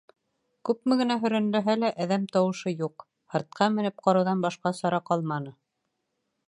Күпме генә һөрәнләһә лә, әҙәм тауышы юҡ. һыртҡа менеп ҡарауҙан башҡа сара ҡалманы.